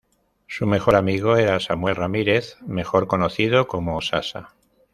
Su mejor amigo era Samuel Ramírez, mejor conocido como 'Sasa'.